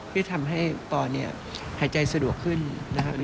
ที่ทำให้ปอเนี่ยหายใจสะดวกขึ้นนะครับ